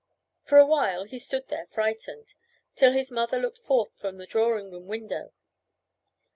For a while he stood there frightened, till his mother looked forth from the drawing room window.